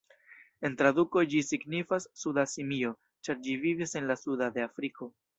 En traduko ĝi signifas "suda simio", ĉar ĝi vivis en la sudo de Afriko.